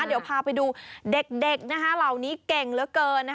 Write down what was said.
เดี๋ยวพาไปดูเด็กเหล่านี้เก่งเหลือเกิน